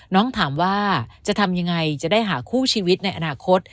น้องถามว่าจะทำยังไงจะได้หาคู่ชีวิตในอนาคต